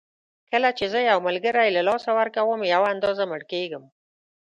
کله چې زه یو ملګری له لاسه ورکوم یوه اندازه مړ کېږم.